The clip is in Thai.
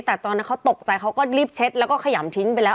แต่ตอนนั้นเขาตกใจเขาก็รีบเช็ดแล้วก็ขยำทิ้งไปแล้ว